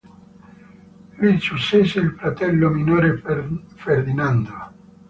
Gli successe il fratello minore Ferdinando.